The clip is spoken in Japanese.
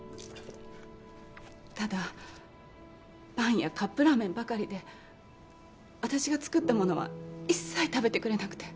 ただパンやカップラーメンばかりで私が作ったものは一切食べてくれなくて。